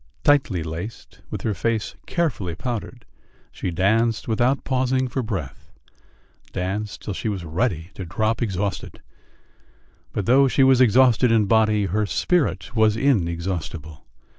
Tightly laced, with her face carefully powdered, she danced without pausing for breath danced till she was ready to drop exhausted. But though she was exhausted in body, her spirit was inexhaustible....